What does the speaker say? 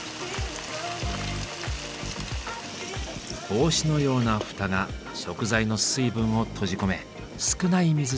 帽子のような蓋が食材の水分を閉じ込め少ない水で調理ができる。